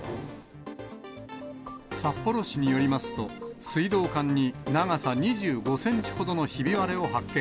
札幌市によりますと、水道管に長さ２５センチほどのひび割れを発見。